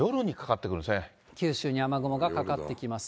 九州に雨雲がかかってきます。